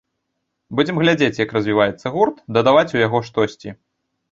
Будзем глядзець, як развіваецца гурт, дадаваць у яго штосьці.